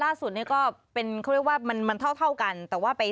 ครับ๑ทุ่มยั้มอีกครั้งนะครับที่ราชมังคาราศิริษฐานนะครับ